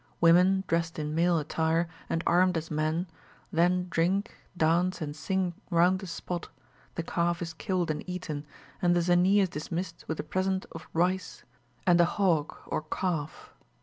Women, dressed in male attire, and armed as men, then drink, dance, and sing round the spot, the calf is killed and eaten, and the Zanee is dismissed with a present of rice, and a hog or calf."